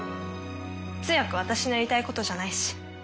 通訳は私のやりたいことじゃないし。